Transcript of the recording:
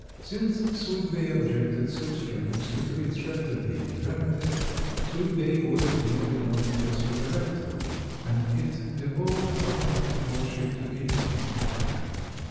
Since Sweetbay objected so strenuously to its rector being a dramatist, Sweetbay was clearly no place for the rector; and it devolved upon his lordship to intimate the fact.